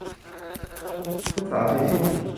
ณุศาศิริ